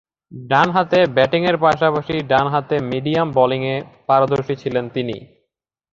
ডানহাতে ব্যাটিংয়ের পাশাপাশি ডানহাতে মিডিয়াম বোলিংয়ে পারদর্শী ছিলেন তিনি।